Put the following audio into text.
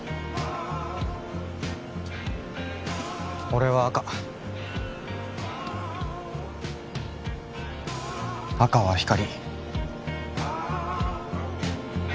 俺は赤赤は光